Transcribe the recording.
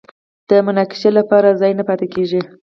د مناقشې لپاره ځای نه پاتې کېږي